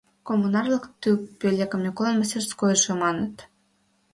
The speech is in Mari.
Коммунар-влак ту пӧлемым Миколан мастерскойжо маныт.